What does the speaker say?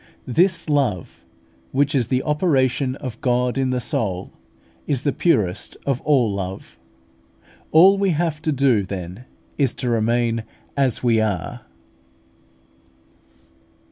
This love, which is the operation of God in the soul, is the purest of all love. All we have to do then is to remain as we are.